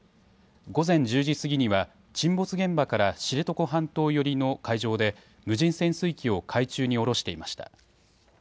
午前１０時過ぎには沈没現場から知床半島寄りの海上で無人潜水機を海中に下ろしていました。